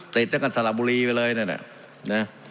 ติดเจ้ากันสรรบบุรีไว้เลยนะ